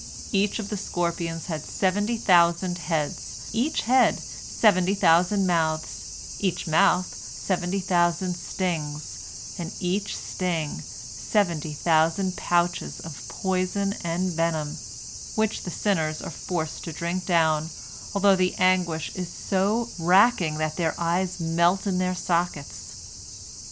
Each of the scorpions had seventy thousand heads, each head seventy thousand mouths, each mouth seventy thousand stings, and each sting seventy thousand pouches of poison and venom, which the sinners are forced to drink down, although the anguish is so racking that their eyes melt in their sockets.